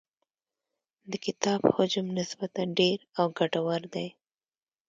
د کتاب حجم نسبتاً ډېر او ګټور دی.